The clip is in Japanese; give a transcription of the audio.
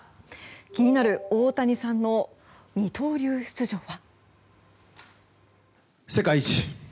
気になる大谷さんの二刀流出場は。